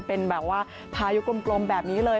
เป็นแบบว่าพายุกลมแบบนี้เลย